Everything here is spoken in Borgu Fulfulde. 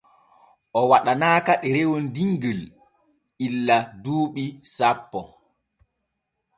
O waɗanaaka ɗerewol dimgil illa duuɓi sappo.